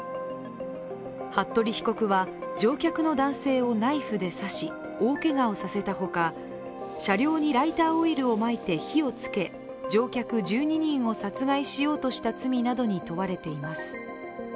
服部被告は、乗客の男性をナイフで刺し、大けがをさせた他車両にライターオイルをまいて火をつけ、乗客１２人を殺害しようとした罪などに問われています。